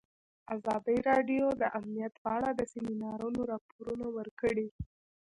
ازادي راډیو د امنیت په اړه د سیمینارونو راپورونه ورکړي.